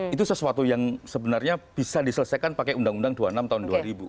itu sesuatu yang sebenarnya bisa diselesaikan pakai undang undang dua puluh enam tahun dua ribu